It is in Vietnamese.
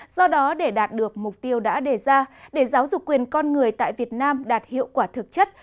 do đó để đạt được mục tiêu đã đề ra để giáo dục quyền con người tại việt nam đạt hiệu quả thực chất